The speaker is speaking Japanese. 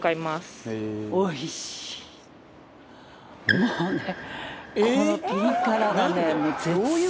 もうね。